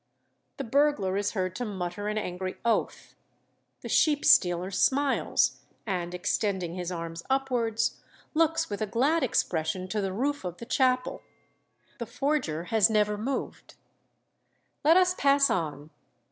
The burglar is heard to mutter an angry oath. The sheep stealer smiles, and, extending his arms upwards, looks with a glad expression to the roof of the chapel. The forger has never moved. "Let us pass on.